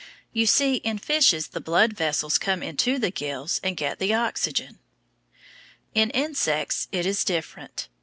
You see in fishes the blood vessels come into the gills and get the oxygen. In insects it is different.